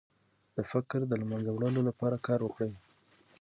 د فقر د له منځه وړلو لپاره کار وکړئ.